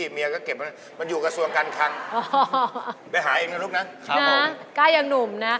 ไม่เป็นไรครับ